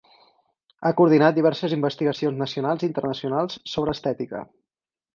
Ha coordinat diverses investigacions nacionals i internacionals sobre estètica.